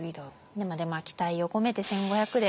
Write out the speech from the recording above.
でも期待を込めて１，５００で。